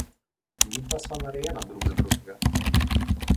Midva sva narejena drug za drugega!